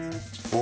お。